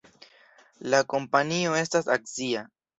La kompanio estas akcia.